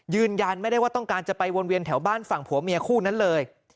ยืนยันไม่ได้ว่าต้องการจะไปวนเวียนแถวบ้านฝั่งผัวเมียคู่นั้นเลย